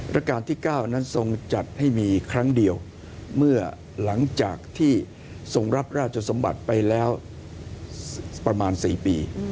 การที่๙นั้นทรงจัดให้มีครั้งเดียวเมื่อหลังจากที่ทรงรับราชสมบัติไปแล้วประมาณ๔ปี